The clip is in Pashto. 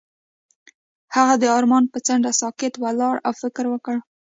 هغه د آرمان پر څنډه ساکت ولاړ او فکر وکړ.